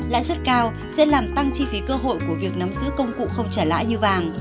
lãi suất cao sẽ làm tăng chi phí cơ hội của việc nắm giữ công cụ không trả lãi như vàng